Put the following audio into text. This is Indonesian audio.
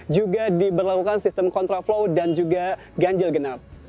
juga diberlakukan sistem kontraflow dan juga ganjil genap